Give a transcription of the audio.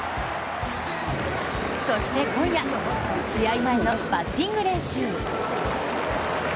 そして今夜、試合前のバッティング練習。